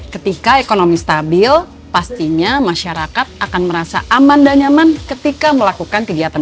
ketika ekonomi stabil pastinya masyarakat akan merasa aman dan nyaman ketika melakukan kegiatan